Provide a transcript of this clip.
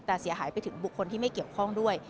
แต่เสียหายไปถึงบุคคลที่ไม่เกี่ยวข้องด้วย